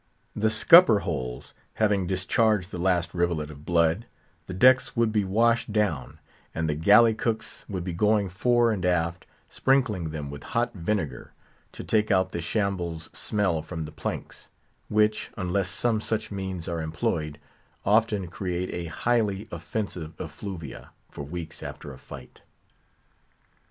The scupper holes having discharged the last rivulet of blood, the decks would be washed down; and the galley cooks would be going fore and aft, sprinkling them with hot vinegar, to take out the shambles' smell from the planks; which, unless some such means are employed, often create a highly offensive effluvia for weeks after a fight.